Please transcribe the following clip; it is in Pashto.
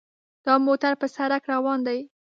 دا موټر په سړک روان دی.